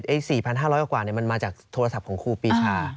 ๔๕๐๐กว่ามันมาจากโทรศัพท์ของครูปีชา